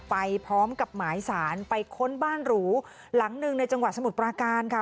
ไปพร้อมกับหมายสารไปค้นบ้านหรูหลังหนึ่งในจังหวัดสมุทรปราการค่ะ